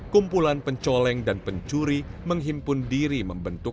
kumpulan pencoleng dan pencuri menghimpun diri membentuk